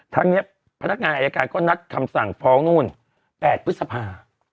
แต่ทั้งประธักรรมก็นัดมาคำสั่งฟังแปดพฤษภา๓๑๐คน